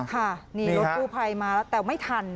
รถกู้ภัยมาแต่ไม่ทัน